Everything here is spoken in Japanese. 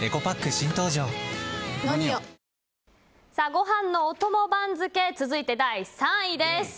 ご飯のお供番付続いて第３位です。